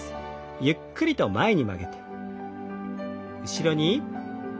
ゆっくりと前に曲げて後ろに。